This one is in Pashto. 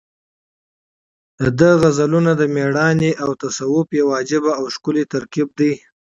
د ده غزلونه د مېړانې او تصوف یو عجیبه او ښکلی ترکیب دی.